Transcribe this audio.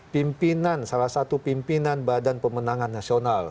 pimpinan salah satu pimpinan badan pemenangan nasional